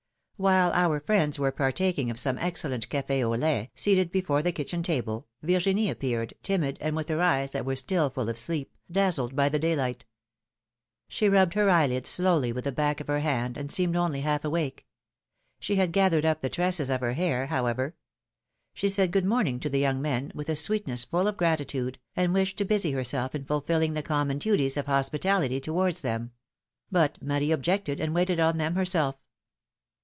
While our friends were partaking of some excellent cafe au lait, seated before the kitchen table, Virginie ap peared, timid, and with her eyes, that were still full of sleep, dazzled by the daylight. She rubbed her eyelids slowly with the back of her hand, and seemed only half PHILOMJ^NE^S MARRIAGES. 159 awake ; she had gathered u[) the tresses of her hair, how ever. She said good morning to the young men, with a sweetness full of gratitude, and wished to busy herself in fulfilling the common duties of hospitality towards them ; but Marie objected, and waited on them herself.